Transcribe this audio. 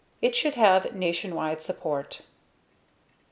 It should have nation wide support.